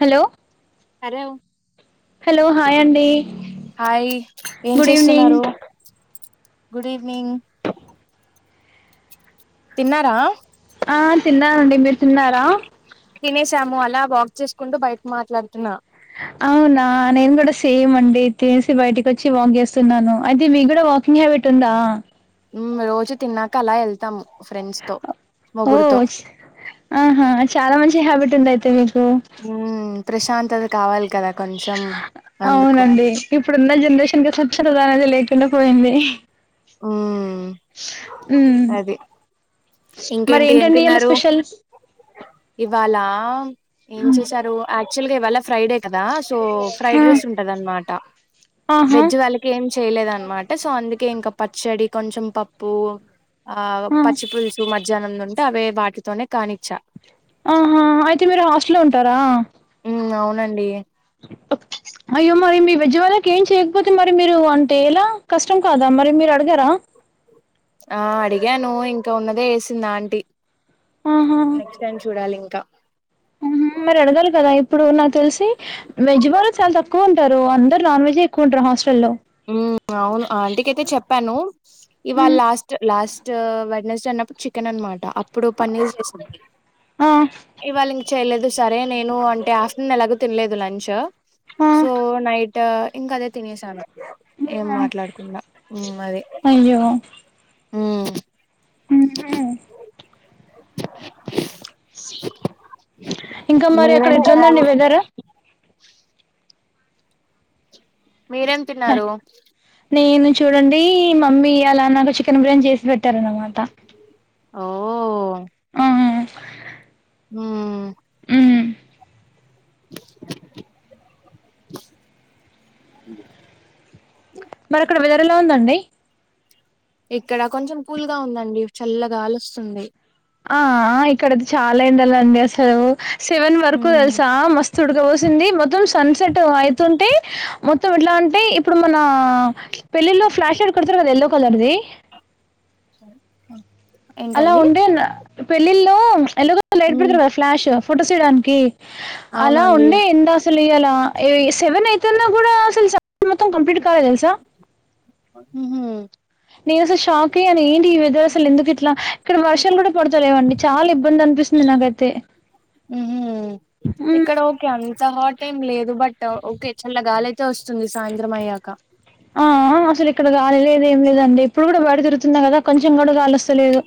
Hello అరే hello hi అండి [inaudible] hi ఏం గుడ్ ఈవినింగ్ చేస్తున్నారు గుడ్ ఈవినింగ్ తిన్నారా ఆ తిన్నారండి మీరు తిన్నారా తనేసాము అలా వాక్ చేసుకుంటూ బయటకు మాట్లాడుతున్నా అవునా నేను కూడా సేమ్ అండి తినేసి బయటికి వచ్చి వాక్ చేస్తున్నాను అయితే మీ కూడా వాకింగ్ అలవాటు ఉందా ఉమ్ రోజు తిన్నాక అలా వెళ్తాము ఫ్రెండ్స్ తో ఓ మొగుడుతో చ్- ఆహా చాలా మంచి హ్యాబిట్ ఉంది అయితే మీకు ది కావాల అవునండి ఇప్పుడున్న జనరేషన్ [inaudible] స్వచ్ఛ ప్రధానది లేకుండా పోయింది ఉమ్ ఉమ్ అది మరి ఇంకేంటి ఎం ఏంటండి ఇయాల తిన్నారు స్పెషల్ ఇవాళ ఏం చేశారు యాక్చువల్గా ఇవాళ ఫ్రైడే కదా సో ఫ్రైడ్ రైస్ ఉంటందనమాట ఆహా వెజ్ వాళ్ళకి ఏం చేయలేదనమాట సో అందుకే ఇంకా పచ్చడి కొంచెం పప్పు ఆ పచ్చిపులుసు మధ్యాహ్నంది ఉంటే అవే వాటితోనే కానిచ్చ ఆహా అయితే మీరు హాస్టల్లో ఉంటారా అవునండి. ఓే అయ్యో మరి మీ వెజ్ వాళ్ళకి ఏం చేయకపోతే మరి మీరు అంటే ఎలా? కష్టం కాదా మరి మీరు అడగరా? ఆ అడిగాను ఇంకా ఉన్నదే ఏసింది ఆంటీ. ఆహా! నెక్స్ట్ టైం చూడాలి ఇం క్క మరి అడగాలి కదా. ఇప్పుడు నాకు తెలిసి వెజ్ వాళ్ళు చాలా తక్కువ ఉం టరు. అందరు నాన్ వెజే ఎక్కువుంటరు హాస్ట ఉ అవును ఆంటికయితే చెప్పాను. ఇవాళ హ్మ్. లాస్ట్ లాస్ ట్ వెడ్నస్డే అన్నప్పుడు చికెన్ అనమాట. అప్పుడు పన్నీర్ చేసింది. ఆ! ఇవాళ ఇంక చెయలేదు. సరే నేను అంటే ఆఫ్టర్నూన్ ఎలాగు తినలేదు లంచ్. ఆ! సో నై ట్ ఇంకా అదే తినసాను. ఏం ఆహా! మాట్లాడకుండా అది. అయ్యో! హ్ హుహు. ఇంకా మరి. అక్కడ మీరేం తిన్నారు ఎట్లుందండి వెదర్? మీరేం తిన్నారు? నేను చూడండి మమ్మీ ఇయాలా నాకు చికెన్ బిర్యానీ చేసి పెట్టారు అనమాట. ఓ హ్మ్ ఉ అ మరి అక్కడ వెదర్ ఎలా ఉందండి? ఇక్కడ కొంచెం కూల్గా ఉందండి. చల్లా గాలోస్తుంది. ఆ ఆ ఇక్కడ చాలా ఏండలండి అసలు సెవెన్ వరకు తెలుసా. మస్ స్త్ ఉడకబోసింది. మొత్తం సన్ సెట్ అయితుంటే మొత్తం ఎట్లా అంటే ఇప్పుడు మనా పెళ్ళిల్లో ఫ్లాష్ లయిట్ కొడతరు కదా ఎల్లో కలర్ది. అలా ఏంటండి ఉండే నా పెళ్ళిళ్లో ఎల్లో కలర్ లయిట్ మ్మ్ పెడతారు కదా ఫ్లాష్, ఫొటోస్ తీయడానికి. అలా అవునండి ఉండే ఎండ అసలు ఇయాలా. ఎ సెవెన్ అయితున్నా కూడా అసలు [inaudible] మొత్తం కంప్లీట్ కాలే తెలుసా. హుహ్ నేను అసలు షాక్ అయ్యాను. ఏంటి ఈ వెదర్ అసలు ఎందుకు ఇట్లా ఇక్కడ వర్షాలు కూడా పడతలేవండి. చాలా ఇబ్బంది అనిపిస్తుంది నాకైతే. అంతహాట్ ఎంలేదు బట్ ట ఓకే చల్లా గాలయితే వస్తుంది సాయంత్రం అయ్యాక. ఆ ఆ ఇక్కడ అసలు గాలి లేదు ఎం లేదండి. ఇప్పుడు కూడా బయట తిరుగుతున్నా కదా కొంచం కూడా గాలొస్తలేదు.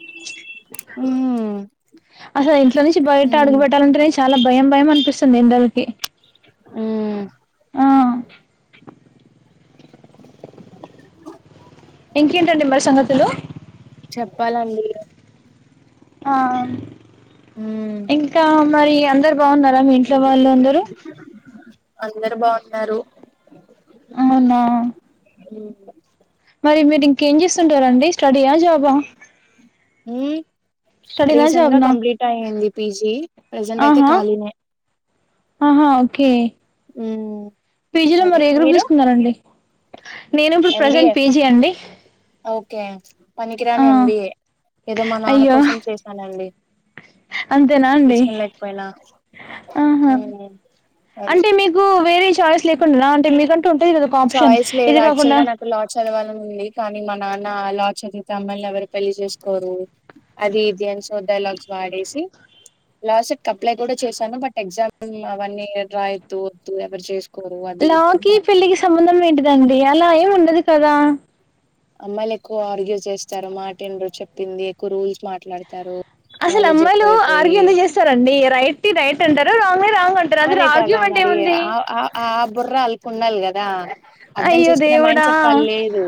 అసలు ఇంట్లో నుంచి బయట అడుగు మ్మ్ పెట్టాలంటనే చి చాలా భయం భయం అనిపిస్తుంది ఎండలకి. హ్ ఆ ఇంకేంటండి మరి సంగతులు. చెప్పాలండి. ఆ ఉమ్ ఇంకా మరి అందరు బాగున్నారా మీ ఇంట్లో వాళ్ళు అందరు అందరు బాగున్నారు అవునా మ్ మరి మీరు ఇంకేం చేస్తుంటారండి స్టడీయా జాబా మ్ స్టడీనా రీసెంట్ గా జాబ్నా కంప్లీట్ అయి్ఇంది పీజీ ప్రజెంట్ అయితే ఆహా ఖాళీనే ఆహా ఓకే ఉమ్ పేజీలో అది మరి ఏ గ్రూపు మీరు తీసుకున్నారండి నేను ఇప్పుడు ప్రజెంట్ ఎంబిఏ పీజి అండి ఓకే ఆ పనికిరాని ఎంబిఏ ఏదో మా నాన్న అయ్యో కోసం చేశానండి అంతేనా అండి ఆహా మ్ అంటే మీకు వేరే చాయిస్ లేకుండేనా అంటే మీకంటూ ఉంటది కదా ఒక ఆప్షన్ ఇది కాకుండా అచ్చుల్గా నాకు ల చదవాలన్ ఉంది కానీ మా నాన్న లా చదివితే అమ్మల్ని ఎవరు పెళ్లి చేసుకోరు అది ఇది సోది డైలాగ్స్ వాడేసి లాస్ట్ట్ అప్లై కూడా చేశాను బట్ ఎగ్జామ్ అవన్నీ ఇయొద్దు వద్దు ఎవరు చేస్ లాకి పెళ్ళికి సంబంధం ఏంటిదండి అలా ఏం ఉండదు కదా అమ్మాయిలు ఎక్కువ ఆర్గ్యూ చేస్తారు మాటీండ్రు చెప్పింది ఎక్కువ రూల్స్ మాట్లాడుతారు అసలు అమ్మాయిలు ఆర్గ్యూ ఎందుకు చేస్తారండి రైట్ ని రైట్ అంటారు రాంగ్ ది రాంగ్ అంటారు అందులో అదే కదా ఆర్గ్యుమెంట్ మరి ఏముంది ఆ ఆ బుర్రా అళ్ళకు ఉండాలి కదా అర్ధం అయ్యో చేసుకునే మైండ్ దేవుడా సెట్ వాళ్ళు లేదు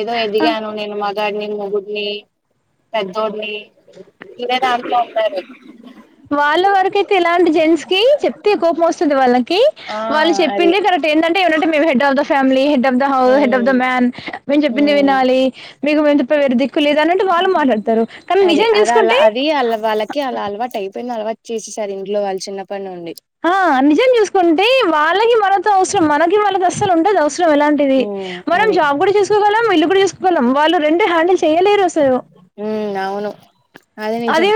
ఏదో ఆ ఎదిగాను నేను మా గాడిని మొగున్ని పెద్దోడిని తినే దాంట్లో ఉంటారు వాళ్ళ వరకయితే ఇలాంటి జెంట్స్ కి చెప్తే కోపం వస్తుంది వాళ్ళకి ఆ వాళ్ళు అది చెప్పిండే కర్రెక్ట్ ఏంటంటే ఏమంటే మేము head of the family hay head of the house head of um the man మేము చెప్పిందే ఉమ్ వినాలి మీకు మీము తప్ప వేరు దిక్కు లేదు అన్నట్ వాళ్ళు మాట్లాడ్ ారు కానీ అది నిజం అది అలా చూసుకుంటే అది అళ్ళ వాళ్ళకి అలా అలవాటు అయిపోయింది అలవాటు చేసేసారు ఇంట్లో వాళ్ళ చిన్నప్పటి నుండి ఆ నిజం చూసుకుంటే వాళ్ళకి మనతో అవసరం మనకి వాళ్ళకి అస్సలు ఉండద్ అవస్ సరం అలాంటిది ఉమ్ మనం అది జాబ్ కూడా చసుకోగాలం ఇల్లు కూడా చేసుకోగలం వాళ్ళు రెండు హ్యాండిల్ చేయలేరు అస లు ఉమ్ అవును అది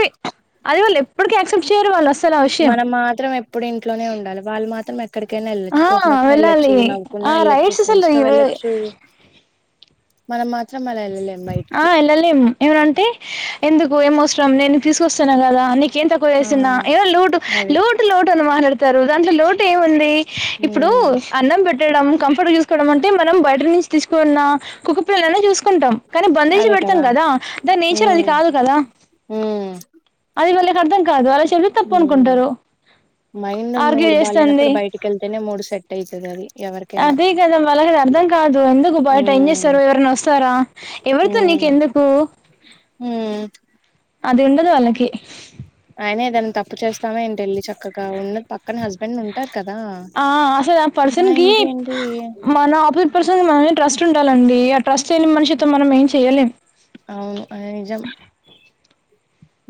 అది వాళ్ళు ఎప్పటికి యాక్సెప్ట్ చేయరు వాళ్ళు అస్ మనం మాత్రం ఎప్పుడు ఇంట్లోనే ఉండాలి వాళ్ళు మాత్రం ఎ ఎక్కడికైనా వెళ్ళొచ్చు ఆ! కోపం వచ్చిన వెళ్ళొచ్చు వెళ్ళాలి. నవ్వుకున్నా ఆ వెళ్ళచ్చు రైట్స్ అసలు ఫ్రెండ్స్ తో ఇవి వెళ్ళొచ్చు మనం మాత్ ఆ వెళ్ళలేం ఏమనంటే ఎందుకు ఏమవసరం నేను తీసుకొస్తున్న కదా నిక్ కేం తక్కువ ఆ చేస్తున్న ఏదో లోటు అది లోటు లోటు అని మాట్లాడుతారు దాంట్లో లోటు ఏముంది ఇప్పుడు ఉమ్ అన్నం పెట్ ట్టడం కంఫర్ట్ చూసుకోవడం అంటే మనం బయట నుంచి తీసుకున్న కుక్క పిల్లనే చూసుకుంటాం కానీ బంధించి పెడుతాం కదా దాని నేచర్ అది ఉమ్ కాదు కదా ఉమ్ అది వాళ్ళకి అర్థం కాద అలా చెప్తే ఉమ్ తప్పునుకుంటారు మైండ్ మూడు బాగాలేనప్పుడు బయటకి వెళ్తేనే మూడు సెట్ అయితది అది ఎవరికైనా అదే కదా వాళ్ళకి అది అర్థం కాదు ఎందుకు బాయట ఎం ఉమ్ చేస్తారు ఎవరైనా వస్తారా ఎవరితో ఉమ్ నీకెందుకు ఉమ్ అదుండదు వాళ్ళకి అయినా ఏదన్న తప్పు చేస్తామ ఇంటికి ఎల్లి చక్కగా ఉన్నది పక్కన హస్బెండ్ ఉంటార్ కదా, ఆ అసలు పర్సన్ ఆ కి ఇంకేంటి మన ఆపోజిట్ పర్సన్ మన మీద ట్రస్ట్ ఉండాలండి, ఆ ట్రస్ట్ లేని మనిషితో మనం ఏం చెయ్యలేం. అవును అ నిజం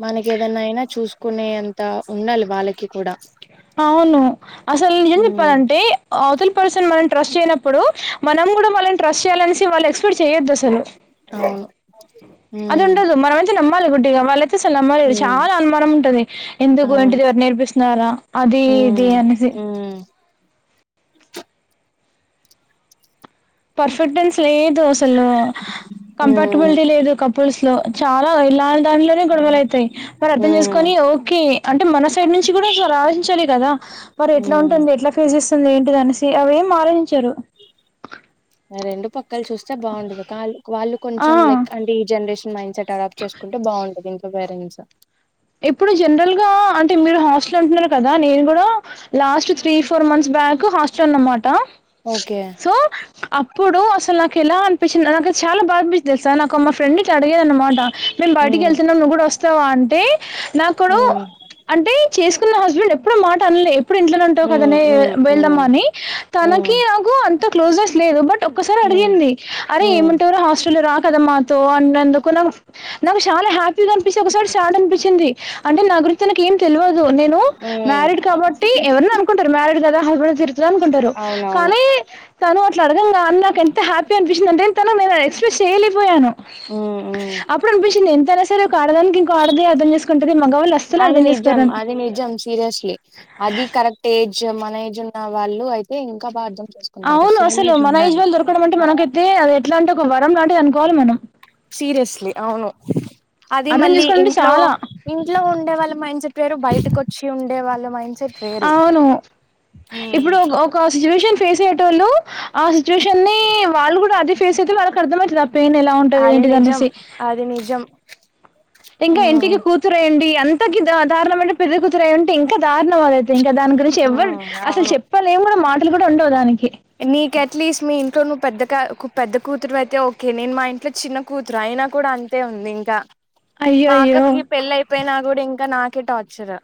మనకి ఏదన్నా అయినా చూసుకునే అంత ఉండాలి వాళ్ళకి కూడా అవును, అసల్ న ఏం ఉమ్ చెప్పాలంటే అవతలి పర్సన్ మన్ ట్రస్ట్ చేయనప్పుడు, మనం కూడా వాళ్ళని ట్రస్ట్ చేయాలనేసి వాళ్ళు ఎక్స్పెక్ట్ చేయొద్దు అసలు. అవును ఉమ్ అదుండదు మనమైతే నమ్మాలి గుడ్టిగా వాళ్ళ తీసే నమ్మలేదు ఉమ్ చాలా అనుమానం ఉంటది, ఎందుకు అవును ఏంటిది ఎవరైనా నేర్పిస్తున్నారా అది ఇది అనేసి. హు పర్ఫెక్టెన్స్ లేదు అసలు హ్మ్ కంఫర్టబిలిటీ లేదు కపుల్స్ లో చాలా ఇలాంటి దాంట్లోనే గొడవలు అయితయి. మరి అర్థం హ్మ్ చేసుకొని ఓకే అంటే మన సైడ్ నుంచి కూడా జర ఆలోచించాలి కదా, వారు ఎట్లా హ్మ్ ఉంటుంది ఎట్లా ఫేస్ చేస్ ఎంటిదనేసి అవేం ఆలోచించరు. ఆ రెండు ప కల్ చూస్తే బాగుండదు. కాళ్ వాళ్ళు ఆ కొంచెం లైక్ అంటే ఈ జనరేషన్ మైండ్ సెట్ అడాప్ట్ చేసుకుంటే బాగుంటది ఇంక పేరే స ఇప్పుడు జనరల్ గా అంటే మీరు హాస్టల్ అంటున్నారు కదా, నేను కూడా లాస్ట్ త్రీ ఫోర్ మంత్స్ వాకు హాస్టల్ అన్నమాట ఓకే సో అప్పుడు అసలు నాకు ఎలా అనిపించింది, నాకైతే చాలా బాదనిపించింది తెల్సా నాకు మా ఫ్రెండ్ ఇట్ల అడిగేది అనమాట. మేం బయటికి హ్మ్ వెళ్తున్నాం నువ్వు కూడా వస్తావా అంటే నాకుడు హ్మ్ అంటే చేసుకున్న హస్బెండ్ ఎప్పుడు మాట అనలే, ఎప్పుడు ఇంట్లనే ఉంటవు హ్మ్ కదనే హ్మ్ వెళ్దాం హ్మ్ అని. త నకి హ్మ్ నాకు అంత క్లోజెస్ లేదు, బట్ ఒకసారి హ్మ్ అడిగింది అరే హ్మ్ ఏముంటవ్ రా హాస్టల్ రా మాతో అన్నందుకు నా నాకు చాలా హ్యాపీగా అనిపిచి ఒకసోట సాడ్ చింది అంటే నా గురించి తనకేం ఏం తెల్వదు. నేను హ్మ్ మ్యారీడ్ కాబట్టి ఎవరైనా అనుకుంటరు మ్యారీడ్ గ హబ తీరుగుతది అనుకుంటరు. అవునవును కానీ తను అట్లా అడగ అన్ నాకు ఎంత హ్యాపీ అనిపించిందంటే తనమీద ఎస్ శేలిపోయాను. హ్మ్ హ్మ్ అప్పుడు అనిపించింది ఎంతైనా సరే ఒక అడదానికి ఇంకో అడది అర్ధం చేస్ అది నిజం. అది నిజం సీరియస్లీ. అది కరెక్ట్ ఏ జ్ మన ఏజ్ ఉన్న వాళ్ళు అయితే ఇంకా బా అర్ధ అవును అసలు. మన ఏజ్ వాళ్ళు దొరకడం అంటే మనకైతే అది ఎట్లా అంటే ఒక వ రం లాంటిది అనుకోవాలి మనం. సీరియస్లీ అవును అది అర్థం మళ్ళీ చేసుకోవడం అంటే ఇంట్లో, చాలా ఇంట్లో ఉండే వాళ్ళ మైండ్సెట్ వేరు, బయటకు వచ్చి ఉండే వాళ్ అవును, ఇప్పుడు ఒక ఒక సిచ్యువేషన్ ఫేస్ అయ్యేటోల్లు ఆ సి సిచువేషన్ని వాళ్ళు కూడా అదే ఫేస్ అయితే వాళ్ళకి అర్థమయితద పెయిన్ ఎలా ఉంటది అది నిజం ఏంటిదనేసి. అది నిజం ఇంకా ఉమ్ ఇంటికి కూతురెండి య కి దా దారుణం అంటే పెళ్ళికూతురు అయ్యుంటే ఇంకా దారుణం అదయితే ఇంక, దాన్ గురించి ఎవ్వర్ ఉమ్ అసల్ చెప్పలేం కూడ మా కూడా ఉండవ్ దానికి నీకి అట్లీస్ట్ మీ ఇంట్లో నువ్వు పెద్ద క కు పెద్ద కూతురు అయితే ఓకే నేను మా ఇంట్లో చిన్న కూతురు అయినా కూడా అంతే ఉంది ఇంకా అయ్యో మా అయ్యో అక్కకి పెళ్ళి అయిపోయినా కూడా ఇంకా నాకే టార్చర్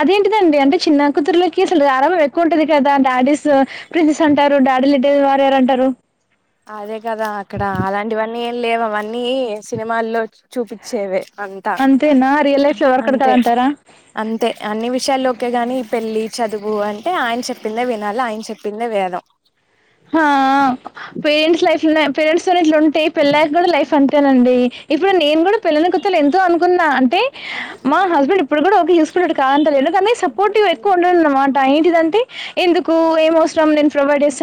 అదేంటిదండి అంటే అది చిన్న కూతుర్లకి అసలు గారాబం ఎక్కువ ఉంటది కదా డాడీస్ స్ ప్రిన్సెస్ అంటారు, డాడీ లిటిల్ వారియర్ అంటరు. అదే కదా అక్కడ అలాంటివన్నీ ఏం లేవు అవన్నీ. అవన్నీ సినిమాల్లో చూపించేవే అంతా అంతేనా రియల్ లైఫ్ లో వర్కౌట్ అంతే. కాదంటారా అంతే అన్ని విషయాల్లో. అంతేగాని ఈ పెళ్ళలి చదువు అంటే ఆయన చెప్పిందే వినాలి ఆయన చెప్పిందే వేదం. ఆ పేరెంట్స్ లైఫ్ లానే పేరెంట్స్ తోనే ఇట్లా ఉంటే పెళ్ళయ్యాక కూడా లైఫ్ అంతేనండి. ఇప్పుడు నేను కూడా పెళ్ళైన కొత్తల ఎంతో అనుకున్నా. [inaudible] మా హస్బెండ్ ఇప్పుడు కూడా ఒక యూస్ఫుల్ అ కాద తె లేదు కానీ సపోర్టివ్ ఎక్కువ ఉండడు అన్నమాట ఏంటిదంటే. ఎందుకు ఏమి అవసరం లేదు.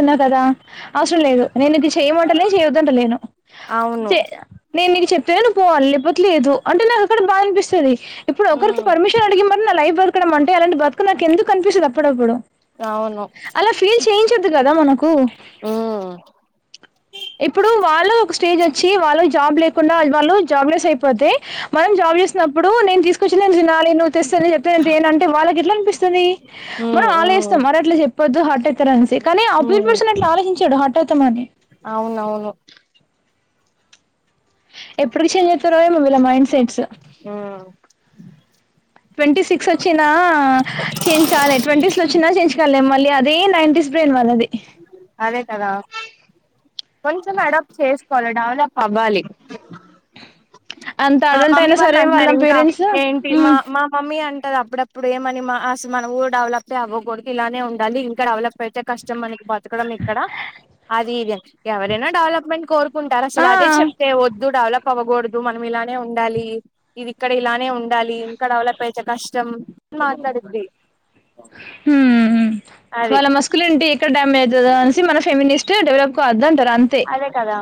ఉన్నావ్ కదా అవసరం లేదు నేను ఇది చేయమనట్లే చేయొద్దంటాలేను అవును నేను ఇది. చెప్పతేనే నవ్వు పోవాలి లేట్లేదు అంటే అక్కడ బాద అనిపిస్తది ఇప్పుడు ఒకరికి పర్మిషన్ అడిగి మరి నా లైఫ్. బతకడం అంటే అలాంటి బతుకు నాకు ఎందుకు అనిపిస్తది అప్పుడప్పుడు అవును అలా ఫీల్ చేయించద్దు. కదా మనకు. ఆ. ఇప్పుడు వాళ్ళు ఒక స్టేజ్ వచ్చి వాళ్ళు జాబ్ లేకుండా వాళ్ళు. జాబ్ లెస్ అయిపోతే మనం జాబ్ చేసినప్పుడు నేను తీసుకొచ్చిన తినాలి నువ్వు. తెస్తుంది చెప్తందింటే ఏనంటే వాళ్ళకి ఎట్లా అనిపిస్తది ఉమ్ మనం ఆన్ లో ఇస్తాం ఉమ్ మరి అట్లా చెప్. వద్దు హార్ట్ట్రాన్స్ కానీ ఆపోజిట్ ఉమ్ పర్సన్ అట్లా ఆలోచించడు హట్వుతామని. అవునవును. ఎప్పుడు చేంజ్ చేస్తారో ఏమో వీళ్ల మైండ్ సెట్స్. ఉమ్ [inaudible] ట్వంటీ సిక్స్ వచ్చినా చేంజ్ కాలే ట్వంటీస్ లో వచ్చినా చేంజ్ కలే మళ్ళీ అ. అదే నైంటీస్ బ్రెన్ వాళ్లది. అదే కదా. కొంచెం అడాప్ట్ చేసుకోవాలి డెవలప్ అవ్వాలి. అంత మా అడల్ట్ మమ్మీ అయినా వాళ్ళు సరే వాళ్ళ అంటున్నారు ఇంకా పేరెంట్స్ ఏంటి మా మా మమ్మీ అంటు. తుంటది అప్పుడప్పుడు ఏమని మహస్ మన ఊరు డెవలప్ ఏ అవ్వకదాడు ఇలానే ఉండాలి, ఇంకా డెవలప్ అయితే కష్టం అనీ. బతకడం ఇక్కడ అది ఇది ఎవరైనా డెవలప్మెంట్ కోరుకు. కుంటారు అసలు అదే చెప్తే వద్దు డెవలప్ అవ్వకూడదు మనం ఇలాంటి. ఇలానే ఉండాలి ఇది ఇక్కడ ఇలానే ఉండాలి ఇంకా డెవలప్ ఐతే కష్టం మాట్లాడిద్ది. హ్మ్ వాళ్ళ మస్కులు ఇంటి ఇక్కడ డ్యామేజ్ అవుతదొ అనిసి మన ఫ్యామినిస్ట్ డెవలప్. వద్దు అంటారు అంతే. అదే కదా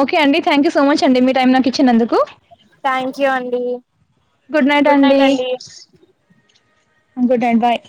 ఓకే అండి థాంక్యూ సో మచ్ అండి మీ టైం నాకు ఇచ్చినందుకు. థ్యాంక్ యూ అండి గుడ్ నైట్ అండి. Good night bye.